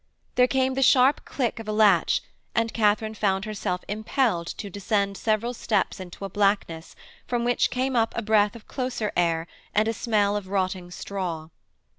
There came the sharp click of a latch and Katharine found herself impelled to descend several steps into a blackness from which came up a breath of closer air and a smell of rotting straw.